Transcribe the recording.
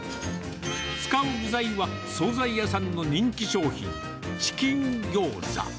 使う具材は、総菜屋さんの人気商品、チキンぎょうざ。